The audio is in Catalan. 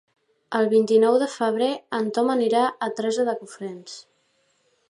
El vint-i-nou de febrer en Tom irà a Teresa de Cofrents.